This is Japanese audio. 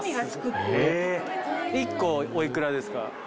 １個お幾らですか？